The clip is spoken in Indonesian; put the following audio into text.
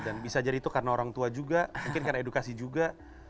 dan bisa jadi itu karena orang tua juga mungkin karena edukasi juga